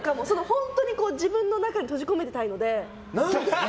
本当に自分の中に閉じ込めておきたいので。